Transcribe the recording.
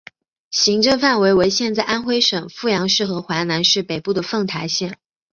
行政范围为现在安徽省阜阳市和淮南市北部的凤台县。